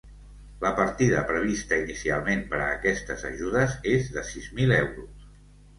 La partida prevista inicialment per a aquestes ajudes és de sis mil euros.